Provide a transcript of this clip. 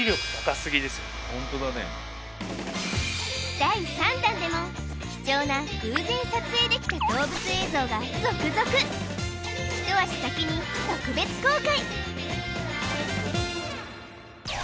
第３弾でも貴重な偶然撮影できた動物映像が続々一足先に特別公開